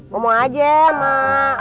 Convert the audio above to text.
ngomong aja emak